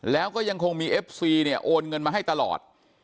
แล้วก็ยังคงมีเอฟซีเนี่ยโอนเงินมาให้ตลอด